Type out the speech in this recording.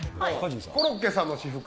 コロッケさんの私服。